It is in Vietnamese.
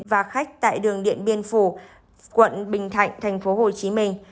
và khách tại đường điện biên phủ quận bình thạnh thành phố hồ chí minh